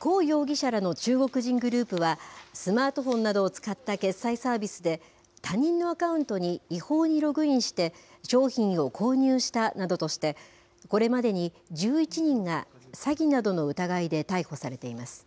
胡容疑者らの中国人グループは、スマートフォンなどを使った決済サービスで、他人のアカウントに違法にログインして、商品を購入したなどとして、これまでに１１人が詐欺などの疑いで逮捕されています。